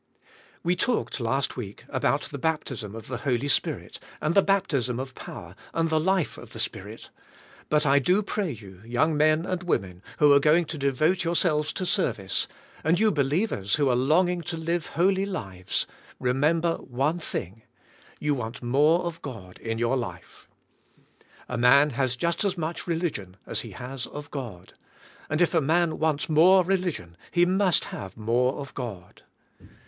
We talked, last week, about the baptism of the Holy Spirit, and the baptism of power, and the life of the Spirit, but I do pray you, young men and wo men, who are going to devote yourselves to service, and you believers who are longing to live holy lives, remember one thing, you want more of God in your life. A man has just as much religion as he has of God, and if a man wants more religion he must have more of God.